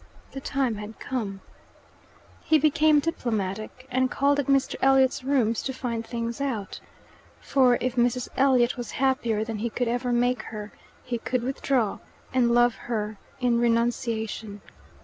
The time had come. He became diplomatic, and called at Mr. Elliot's rooms to find things out. For if Mrs. Elliot was happier than he could ever make her, he would withdraw, and love her in renunciation.